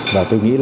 và tôi nghĩ là